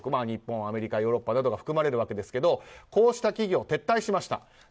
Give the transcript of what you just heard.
日本、アメリカヨーロッパなどが含まれるわけですがこうした企業は撤退しました。